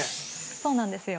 ◆そうなんですよ。